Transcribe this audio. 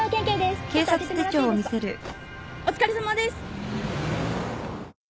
お疲れさまです！